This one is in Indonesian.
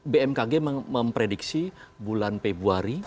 bmkg memprediksi bulan februari